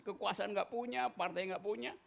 kekuasaan enggak punya partai enggak punya